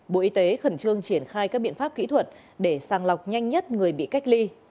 bộ y tế khẩn trương triển khai các biện pháp kỹ thuật để sàng lọc nhanh nhất người bị cách ly